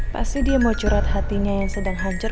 pasti dia mau curat hatinya yang sedang hancur